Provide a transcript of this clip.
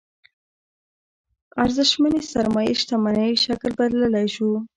ارزشمنې سرمايې شتمنۍ شکل بللی شو.